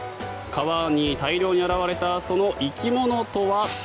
川に大量に現れたその生き物とは。